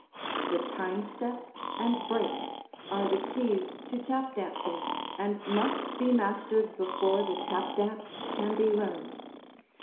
The "time step" and "break" are the keys to tap dancing and must be mastered before the tap dance can be learned.